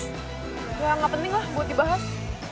ya nggak penting lah buat dibahas